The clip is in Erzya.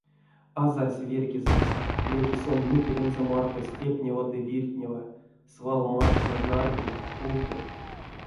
Азарсь верьгизэкс яки сон нукерэнзэ марто стептнева ды виртнева, свал маштни, нарьги, пулты.